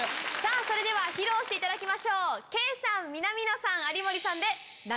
それでは披露していただきましょう。